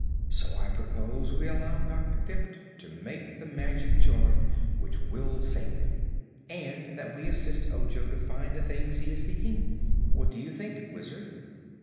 So I propose we allow Dr. Pipt to make the magic charm which will save them, and that we assist Ojo to find the things he is seeking. What do you think, Wizard?"